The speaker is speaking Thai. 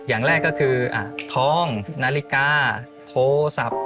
อย่างแรกก็คือทองนาฬิกาโทรศัพท์